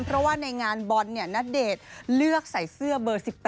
เพราะว่าในงานบอลณเดชน์เลือกใส่เสื้อเบอร์๑๘